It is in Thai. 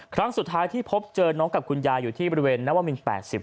ครั้งสุดท้ายที่พบเจอน้องกับคุณยายอยู่ที่บริเวณนวมิน๘๐